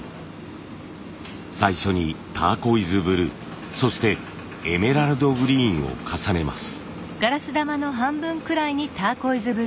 最初にターコイズブルーそしてエメラルドグリーンを重ねます。